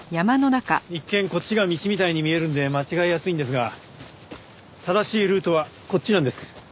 一見こっちが道みたいに見えるんで間違えやすいんですが正しいルートはこっちなんです。